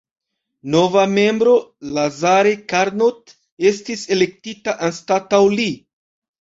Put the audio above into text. Nova membro, Lazare Carnot, estis elektita anstataŭ li.